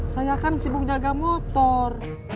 saya kan sibuk jaga motor